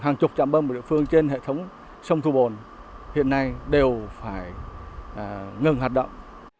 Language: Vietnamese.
hàng chục chạm bơm của địa phương trên hệ thống sông thu bồn hiện nay đều phải ngừng hoạt động